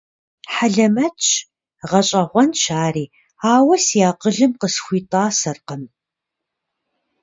Хьэлэмэтщ, гъэщӀэгъуэнщ ари, ауэ си акъылым къысхуитӀасэркъым.